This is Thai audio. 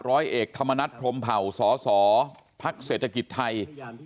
ร้อยเอกธรรมนัฐพรมเผ่าสสพักเศรษฐกิจไทย